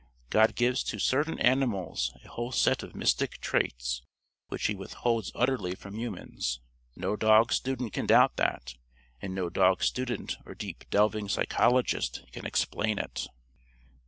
God gives to certain animals a whole set of mystic traits which He withholds utterly from humans. No dog student can doubt that, and no dog student or deep delving psychologist can explain it.)